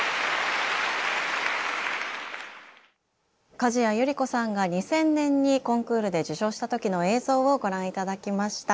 加治屋百合子さんが２０００年にコンクールで受賞した時の映像をご覧頂きました。